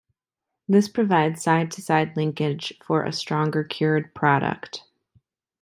This provides side-to-side linkage for a stronger cured product.